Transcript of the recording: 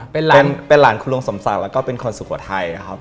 เป็นหลานคุณลุงสมศักดิ์แล้วก็เป็นคนสุขทัยครับ